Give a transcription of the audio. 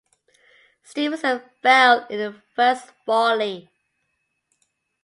Stevenson fell in the first volley.